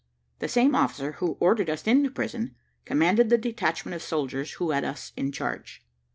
The same officer who ordered us into prison, commanded the detachment of soldiers who had us in charge.